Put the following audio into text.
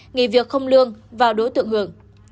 nghị việc không lương vào đối tượng hưởng